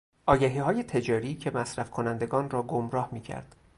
آگهیهای تجاری که مصرف کنندگان را گمراه میکرد.